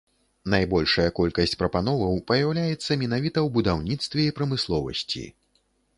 Найбольшая колькасць прапановаў паяўляецца менавіта ў будаўніцтве і прамысловасці.